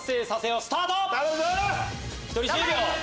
１人１０秒！